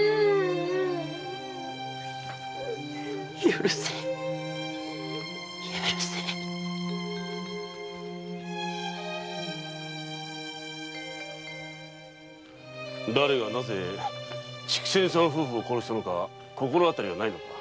許せぬ許せぬだれがなぜ竹仙さん夫婦を殺したのか心当たりはないのか？